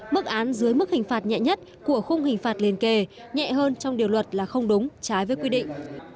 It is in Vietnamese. mức án dưới mức hình phạt nhẹ nhất của khung hình phạt liên kề nhẹ hơn trong điều luật là không đúng trái với quy định